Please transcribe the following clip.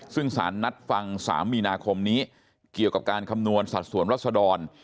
ซึ่งสารนัดฟัง๓มีนาคมนี้เกี่ยวกับการคำนวณสัดส่วนรัศดร